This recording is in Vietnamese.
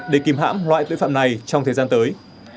để kìm hãm loại tội phạm này trong thời gian tới